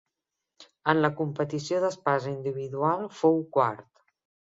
En la competició d'espasa individual fou quart.